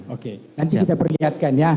oke nanti kita perlihatkan ya